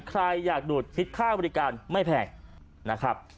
ใครอยากดูดคิดค่าบริการไม่แพงนะครับ